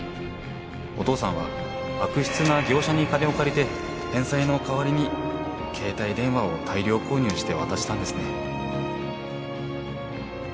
お父さんは悪質な業者に金を借りて返済の代わりに携帯電話を大量購入して渡したんですね。